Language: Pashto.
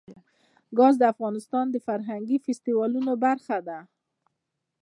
ګاز د افغانستان د فرهنګي فستیوالونو برخه ده.